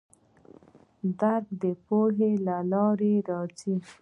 درک د پوهې له لارې راځي.